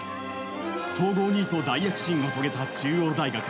総合２位と大躍進を遂げた中央大学。